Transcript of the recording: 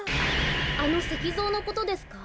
あのせきぞうのことですか？